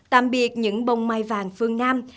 tạm biệt những bông mai vàng phương nam